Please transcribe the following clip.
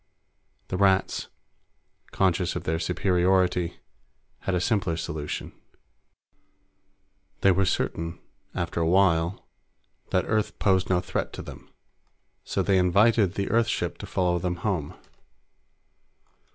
The Rats, conscious of their superiority, had a simpler solution. They were certain, after a while, that Earth posed no threat to them, so they invited the Earth ship to follow them home.